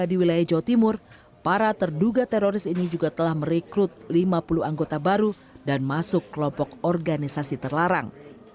di wilayah jawa timur para terduga teroris ini juga telah merekrut lima puluh anggota baru dan masuk kelompok organisasi terlarang